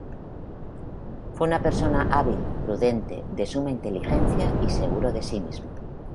Fue una persona hábil, prudente, de suma inteligencia y seguro de sí mismo.